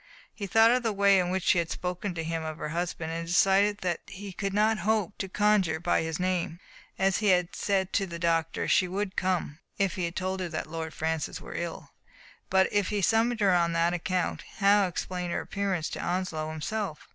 He thought of the way in which she had spoken to him of her husband, and decided that he could not hope to conjure by his name. As he had said to the doc tor, she would come if he told her that Lord Francis were ill ; but if he summoned her on that account, how explain her appearance to Onslow himself?